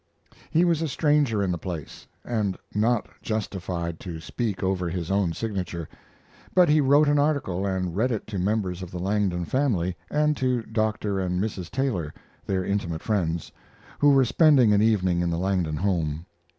He was a stranger in the place, and not justified to speak over his own signature, but he wrote an article and read it to members of the Langdon family and to Dr. and Mrs. Taylor, their intimate friends, who were spending an evening in the Langdon home.